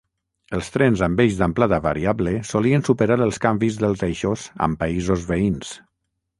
Els trens amb eix d'amplada variable solien superar els canvis dels eixos amb països veïns.